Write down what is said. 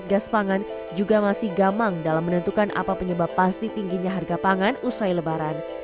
gas pangan juga masih gamang dalam menentukan apa penyebab pasti tingginya harga pangan usai lebaran